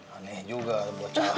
aneh juga buat calon